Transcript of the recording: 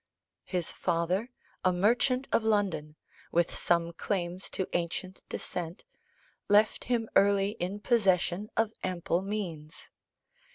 His father, a merchant of London, with some claims to ancient descent, left him early in possession of ample means.